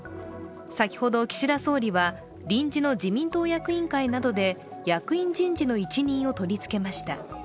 先ほど岸田総理は臨時の自民党役員会などで役員人事の一任を取り付けました。